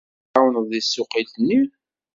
Ad iyi-tɛawneḍ deg tsuqqilt-nni?